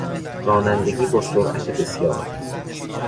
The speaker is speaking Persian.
رانندگی با سرعت بسیار